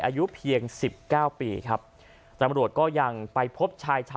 อายุเพียง๑๙ปีครับ